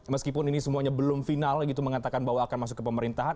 meskipun ini semuanya belum final gitu mengatakan bahwa akan masuk ke pemerintahan